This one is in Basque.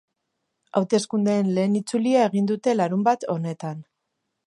Hauteskundeen lehen itzulia egin dute larunbat honetan.